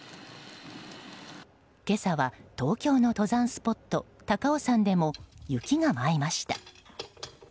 今朝は東京の登山スポット高尾山でも雪が舞いました。